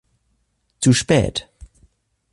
Zu spät.